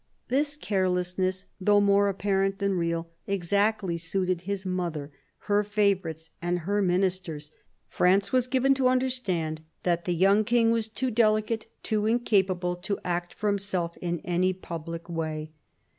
This carelessness, though more apparent than real, exactly suited his mother, her favourites and her ministers. France was given to understand that the young King was too delicate, too incapable, to act for himself in any public way.